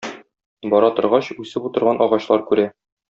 Бара торгач, үсеп утырган агачлар күрә.